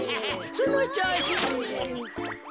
そのちょうし。